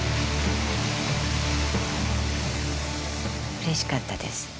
うれしかったです。